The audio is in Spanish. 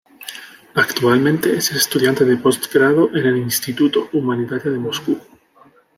Actualmente es estudiante de postgrado en el Instituto Humanitario de Moscú.